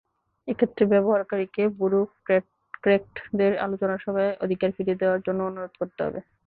এক্ষেত্রে ব্যবহারকারীকে ব্যুরোক্র্যাটদের আলোচনাসভায় অধিকার ফিরিয়ে দেওয়ার জন্য অনুরোধ করতে হবে।